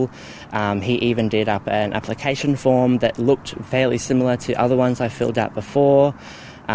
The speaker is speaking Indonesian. dia juga membuat form aplikasi yang terlihat hampir sama dengan yang saya penuhi sebelumnya